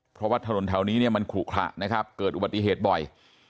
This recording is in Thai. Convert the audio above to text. เพราะว่าถนนแถวนี้เนี่ยมันขลุขระนะครับเกิดอุบัติเหตุบ่อย